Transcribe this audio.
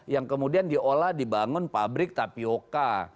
yang kemudian diolah dibangun pabrik tapioca